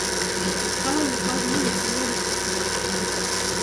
Il travaille au croisement de plusieurs disciplines.